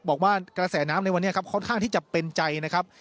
บอกว่ากระแสน้ำในวันนี้ครับค่อนข้างที่จะเป็นใจนะครับ